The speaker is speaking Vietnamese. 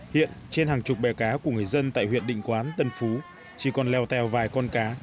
hiện trên hàng chục bè cá của người dân tại huyện định quán tân phú chỉ còn leo tèo vài con cá